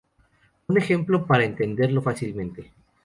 Un ejemplo para entenderlo fácilmente.